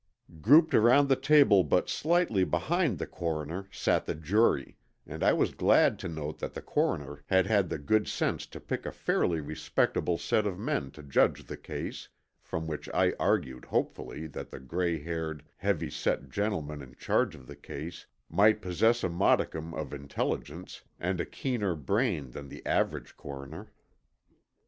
Grouped around the table but slightly behind the coroner sat the jury, and I was glad to note that the coroner had had the good sense to pick a fairly respectable set of men to judge the case, from which I argued hopefully that the gray haired, heavy set gentleman in charge of the case might possess a modicum of intelligence and a keener brain than the average coroner.